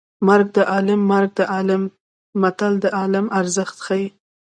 مرګ د عالیم مرګ د عالیم متل د عالم ارزښت ښيي